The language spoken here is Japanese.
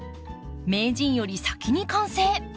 名人より先に完成。